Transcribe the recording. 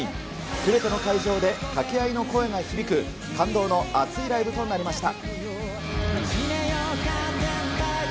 すべての会場で掛け合いの声が響く、感動の熱いライブとなりました。